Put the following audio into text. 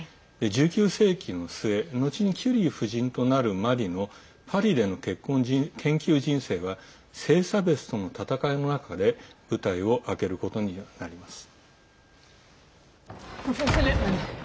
１９世紀の末後にキュリー夫人となるマリのパリでの研究人生は性差別との闘いの中で舞台を開けることになります。